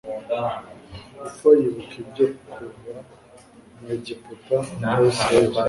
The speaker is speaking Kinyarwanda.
gupfa yibuka ibyo kuva mu Egiputa kw Abisirayeli